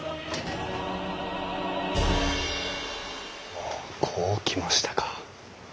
ほうこう来ましたか。